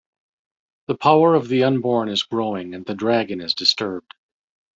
The power of the Unborn is growing and the dragon is disturbed.